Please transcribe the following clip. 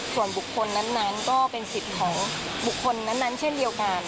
ส่วนบุคคลนั้นก็เป็นสิทธิ์ของบุคคลนั้นเช่นเดียวกัน